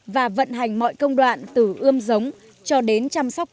và vận hành mọi công đoạn từ ươm giống cho đến